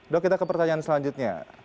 dok kita ke pertanyaan selanjutnya